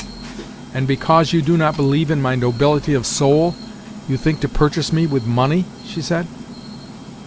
"And because you do not believe in my nobility of soul you think to purchase me with money?" she said.